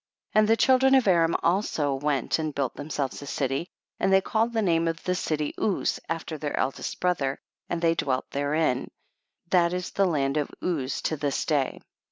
34. And the children of Aram also went and built themselves a city, and they called the name of the city Uz after their eldest brother, and they dwelt therein ; that is the land of Uz to this day.